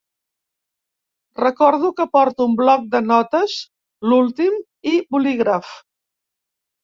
Recordo que porto un bloc de notes, l'últim, i bolígraf.